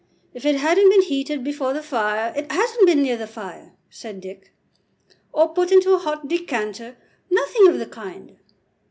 If it hadn't been heated before the fire " "It hasn't been near the fire," said Dick. "Or put into a hot decanter " "Nothing of the kind."